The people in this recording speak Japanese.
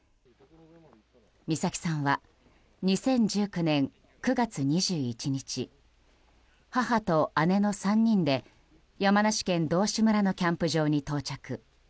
美咲さんは２０１９年９月２１日母と姉の３人で山梨県道志村のキャンプ場に到着。